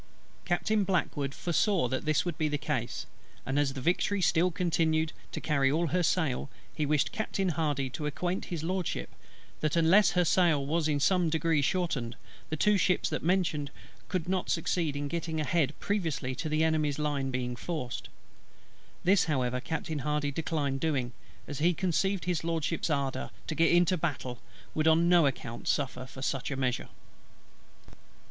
Captain BLACKWOOD foresaw that this would be the case; and as the Victory still continued to carry all her sail, he wished Captain HARDY to acquaint His LORDSHIP, that unless her sail was in some degree shortened, the two ships just mentioned could not succeed in getting ahead previously to the Enemy's line being forced: this however Captain HARDY declined doing, as he conceived His LORDSHIP'S ardour to get into battle would on no account suffer such a measure.